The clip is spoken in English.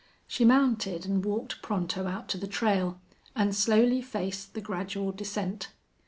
She mounted, and walked Pronto out to the trail, and slowly faced the gradual descent.